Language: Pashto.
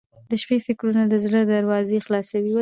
• د شپې فکرونه د زړه دروازې خلاصوي.